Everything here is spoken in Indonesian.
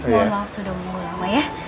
mohon maaf sudah mengulang ya